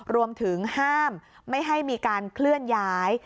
รวมถึงห้ามไม่ให้มีการเคลื่อนย้าย